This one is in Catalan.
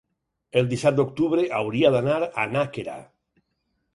El disset d'octubre hauria d'anar a Nàquera.